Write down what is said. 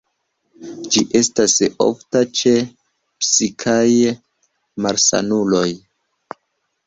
Ĝi estas ofta ĉe psikaj malsanuloj.